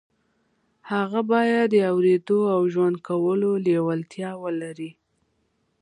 هغه بايد د اورېدو او ژوند کولو لېوالتیا ولري.